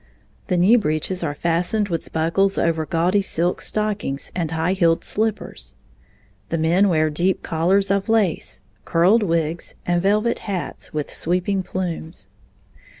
The knee breeches are fastened with buckles over gaudy silk stockings and high heeled slippers. The men wear deep collars of lace, curled wigs, and velvet hats with sweeping plumes.